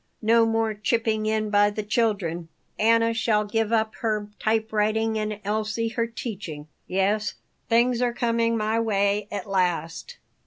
No more chipping in by the children! Anna shall give up her typewriting and Elsie her teaching. Yes, things are coming my way at last."